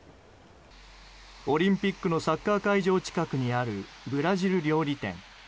オリンピックのサッカー会場近くにあるブラジル料理店。